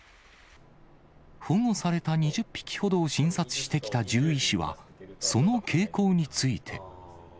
保護された２０匹ほどを診察してきた獣医師は、その傾向について。